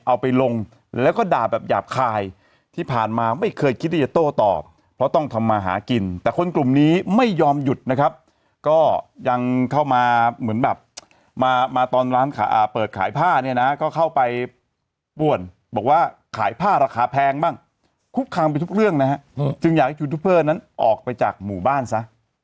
เอาไปลงแล้วก็ด่าแบบหยาบคายที่ผ่านมาไม่เคยคิดที่จะโต้ตอบเพราะต้องทำมาหากินแต่คนกลุ่มนี้ไม่ยอมหยุดนะครับก็ยังเข้ามาเหมือนแบบมาตอนร้านเปิดขายผ้าเนี่ยนะก็เข้าไปป่วนบอกว่าขายผ้าราคาแพงบ้างคุกคามไปทุกเรื่องนะฮะจึงอยากให้ยูทูปเปอร์นั้นออกไปจากหมู่บ้านซะ